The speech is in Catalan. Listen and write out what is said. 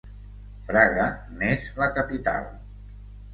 Fraga n'és la capital.